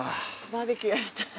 バーベキューやりたい。